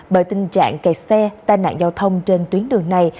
bởi tình trạng kẹt xe tai nạn giao thông trên tuyến đường này